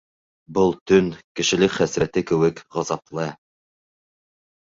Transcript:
Был төн кешелек хәсрәте кеүек ғазаплы.